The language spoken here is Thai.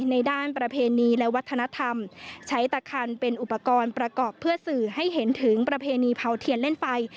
ในด้านประเพณีและวัฒนธรรมใช้ตะคันเป็นอุปกรณ์ประกอบเพื่อสื่อให้เห็นถึงประเพณีเผาเทียนเล่นไฟ